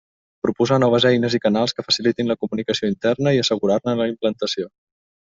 Proposar noves eines i canals que facilitin la comunicació interna i assegurar-ne la implantació.